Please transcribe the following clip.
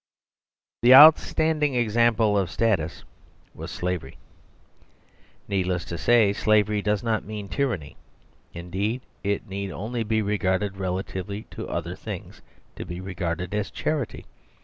The outstanding example of status was slavery. Needless to say slavery does not mean tyranny; indeed it need only be re garded relatively to other things to be re garded as charity.